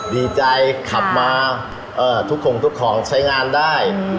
ดีใจขับมาค่ะเอ่อทุกของทุกของใช้งานได้เฮอ